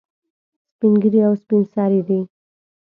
سپین ږیري او سپین سرې دي.